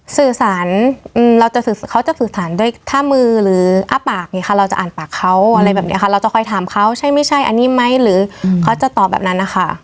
สื่อสารเราจะสื่อสารด้วยท่ามือหรืออ้าปากอย่างนี้ค่ะเราจะอ่านปากเขาอะไรแบบนี้ค่ะเราจะคอยถามเขาใช่ไม่ใช่อันนี้ไหมหรือเขาจะตอบแบบนั้นนะคะ